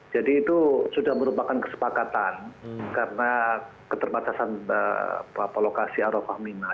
jadi itu sudah merupakan kesepakatan karena keterbatasan lokasi arab aminah